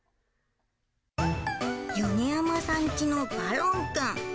米山さんちのバロンくん。